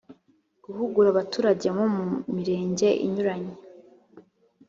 guhugura abaturage bo mu mirenge inyuranye